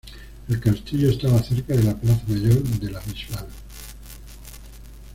El castillo estaba cerca de la plaza mayor de La Bisbal.